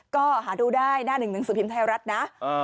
ก็หาดูได้หน้าหนึ่งหนังสือพิมพ์ไทยรัฐนะ